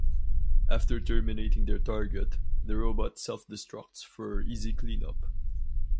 After terminating their target, the robot self-destructs for easy clean-up.